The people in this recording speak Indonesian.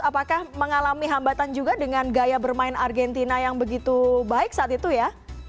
apakah mengalami hambatan juga dengan gaya bermain argentina yang begitu baik saat itu ya